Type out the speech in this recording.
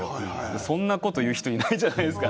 そんなこと言う人いないじゃないですか。